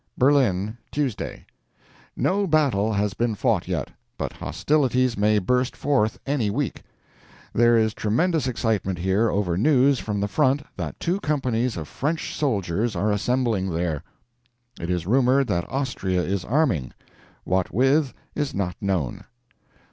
BERLIN, Tuesday. No battle has been fought yet. But hostilities may burst forth any week. There is tremendous excitement here over news from the front that two companies of French soldiers are assembling there. It is rumoured that Austria is arming what with, is not known.